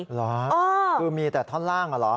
เหรอคือมีแต่ท่อนล่างอะเหรอ